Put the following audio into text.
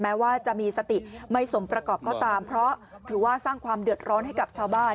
แม้ว่าจะมีสติไม่สมประกอบก็ตามเพราะถือว่าสร้างความเดือดร้อนให้กับชาวบ้าน